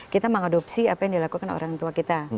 kita mengadopsi apa yang dilakukan orang tua kita